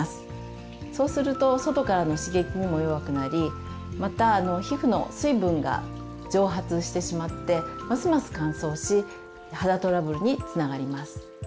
そうすると外からの刺激にも弱くなりまた皮膚の水分が蒸発してしまってますます乾燥し肌トラブルにつながります。